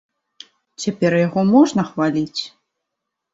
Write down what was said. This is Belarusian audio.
Цяпер яго можна хваліць.